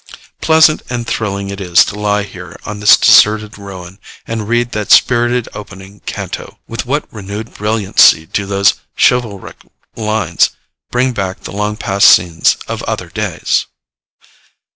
Pleasant and thrilling it is to lie here on this deserted ruin, and read that spirited opening canto! With what renewed brilliancy do those chivalric lines bring back the long past scenes of other days!